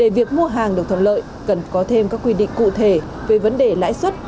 việc mua hàng được thuận lợi cần có thêm các quy định cụ thể về vấn đề lãi suất